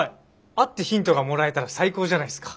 会ってヒントがもらえたら最高じゃないすか？